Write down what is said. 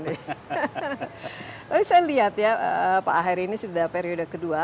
tapi saya lihat ya pak aher ini sudah periode kedua